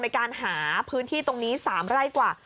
ในการหาพื้นที่ตรงนี้๓ไร่กว่า